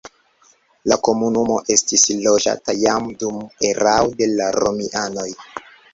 La komunumo estis loĝata jam dum erao de la romianoj.